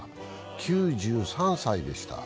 ９３歳でした。